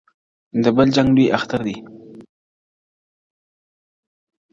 د بل جنگ لوى اختر دئ.